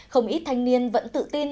không ít thanh niên vẫn tự tin